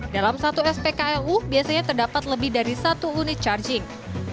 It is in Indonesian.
dalam satu spklu biasanya terdapat lebih dari satu unit charging